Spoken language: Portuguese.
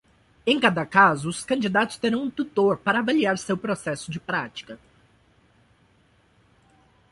Em cada caso, os candidatos terão um tutor para avaliar seu processo de prática.